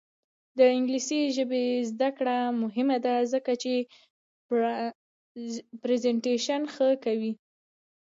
د انګلیسي ژبې زده کړه مهمه ده ځکه چې پریزنټیشن ښه کوي.